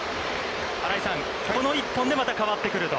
新井さん、この１本でまた変わってくると。